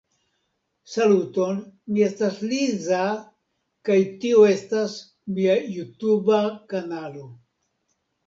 Saluton, mi estas Liza kaj tio estas mia jutuba kanalo.